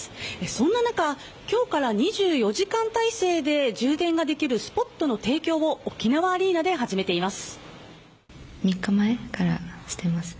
そんな中今日から２４時間体制で充電ができるスポットの提供を沖縄アリーナで始めています。